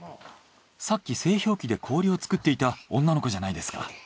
さっき製氷機で氷を作っていた女の子じゃないですか。